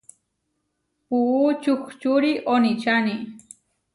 Puú čuhčúri oničáni.